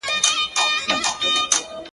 او توري څڼي به دي.